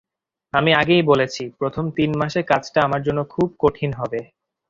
আমি আগেই বলেছি, প্রথম তিন মাসে কাজটা আমার জন্য খুব কঠিন হবে।